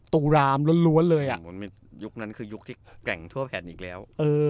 รามล้วนเลยยุคนั้นคือยุคที่แกร่งทั่วแผ่นอีกแล้ว